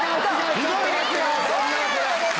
ひどいですよ！